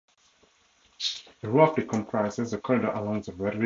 It roughly comprises the corridor along the Red River of the North.